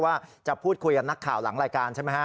ว่าจะพูดคุยกับนักข่าวหลังรายการใช่ไหมฮะ